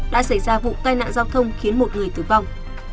đã xảy ra vụ tai nạn giao thông khiến một người tử vong